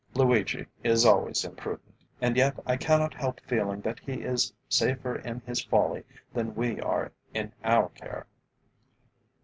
"Luigi is always imprudent; and yet I cannot help feeling that he is safer in his folly than we are in our care.